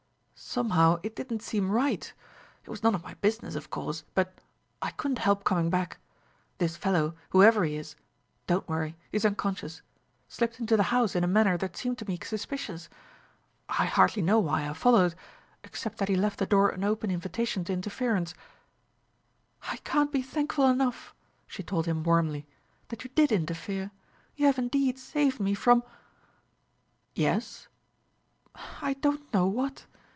"Somehow it didn't seem right. It was none of my business, of course, but ... I couldn't help coming back. This fellow, whoever he is don't worry; he's unconscious slipped into the house in a manner that seemed to me suspicious. I hardly know why I followed, except that he left the door an open invitation to interference ..." "I can't be thankful enough," she told him warmly, "that you did interfere. You have indeed saved me from ..." "Yes?" "I don't know what.